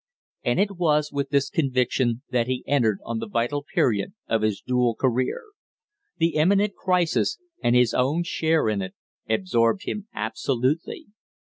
And it was with this conviction that he entered on the vital period of his dual career. The imminent crisis, and his own share in it, absorbed him absolutely.